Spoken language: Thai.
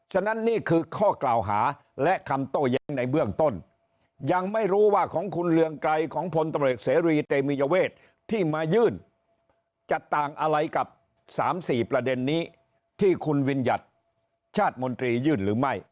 ฉะนั้นนี่คือข้อกล่าวหาและคำโต้แย้งในเบื้องต้นยังไม่รู้ว่าของคุณเรืองไกรของพลตำรวจเสรีเตมียเวทที่มายื่นจะต่างอะไรกับ๓๔ประเด็นนี้ที่คุณวิญญัติชาติมนตรียื่นหรือไม่